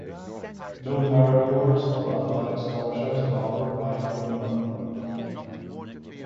No merit awards or athletic scholarships are offered by Pomona.